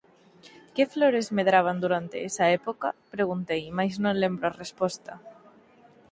Que flores medraban durante esa época?” Preguntei, mais non lembro a resposta.